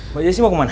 mbak jessy mau kemana